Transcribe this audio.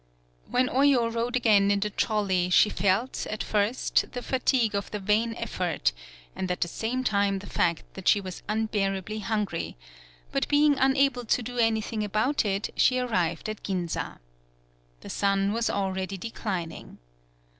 When Oyo rode again in the trolley she felt, at first, the fatigue of the vain effort and at the same time the fact that she was unbearably hungry, but being unable to do anything about it, she ar rived at Ginza. The sun was already declining.